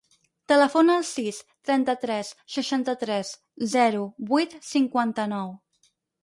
Telefona al sis, trenta-tres, seixanta-tres, zero, vuit, cinquanta-nou.